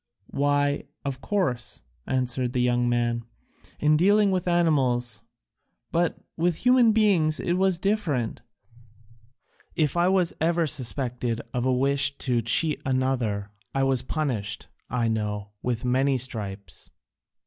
"Why, of course," answered the young man, "in dealing with animals, but with human beings it was different; if I was ever suspected of a wish to cheat another, I was punished, I know, with many stripes."